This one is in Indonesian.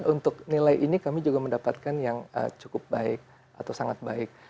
untuk nilai ini kami juga mendapatkan yang cukup baik atau sangat baik